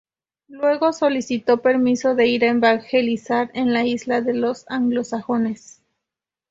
Luego solicitó permiso de ir a evangelizar en la isla de los anglosajones.